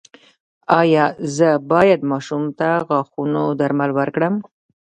ایا زه باید ماشوم ته د غاښونو درمل ورکړم؟